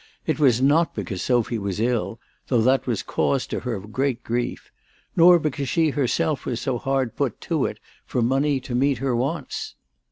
It was not because Sophy was ill, though that was cause to her of great grief ; nor because she herself was so hard put to it for money to meet her wants.